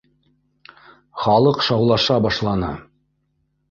Халыҡ шаулаша башланы